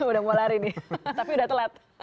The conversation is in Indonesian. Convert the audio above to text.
udah mau lari nih tapi udah telat